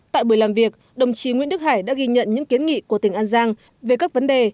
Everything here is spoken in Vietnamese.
tại buổi làm việc đồng chí nguyễn đức hải đã ghi nhận những kiến nghị của tỉnh an giang về các vấn đề